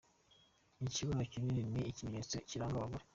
Ikibuno kinini ni ikimenyetso kiranga abagore.